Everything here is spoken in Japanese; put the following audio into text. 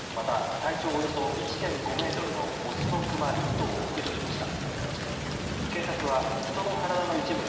体長およそ１．５ｍのオスのクマ１頭を駆除しました。